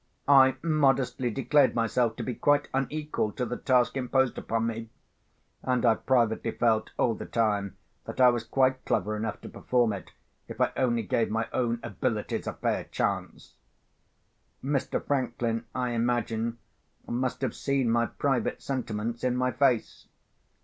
I modestly declared myself to be quite unequal to the task imposed upon me—and I privately felt, all the time, that I was quite clever enough to perform it, if I only gave my own abilities a fair chance. Mr. Franklin, I imagine, must have seen my private sentiments in my face.